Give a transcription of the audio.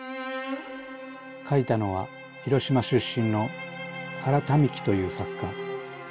書いたのは広島出身の原民喜という作家。